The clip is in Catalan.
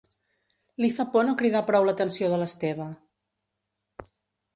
Li fa por no cridar prou l'atenció de l'Esteve.